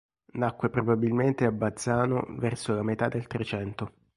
Nacque probabilmente a Bazzano verso la metà del Trecento.